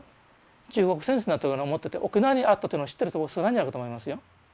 中国戦線だとか思ってて沖縄にあったっていうのを知ってる人少ないんじゃないかと思いますよ。